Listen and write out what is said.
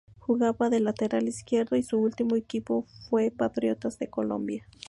Jugaba de lateral izquierdo y su último equipo fue Patriotas de Colombia.